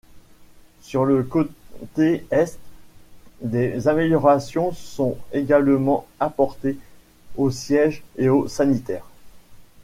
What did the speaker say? Sur le côté est, des améliorations sont également apportées aux sièges et aux sanitaires.